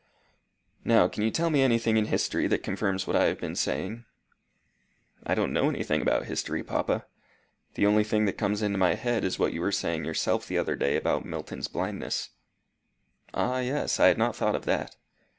"Now can you tell me anything in history that confirms what I have been saying?" "I don't know anything about history, papa. The only thing that comes into my head is what you were saying yourself the other day about Milton's blindness." "Ah, yes. I had not thought of that.